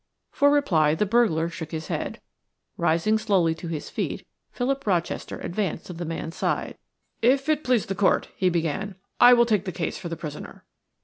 For reply the burglar shook his head. Rising slowly to his feet, Philip Rochester advanced to the man's side. "If it please the court," he began, "I will take the case for the prisoner."